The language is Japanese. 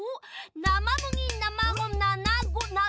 なまむぎなまごななご。